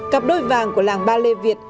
cặp đôi vàng của làng ballet việt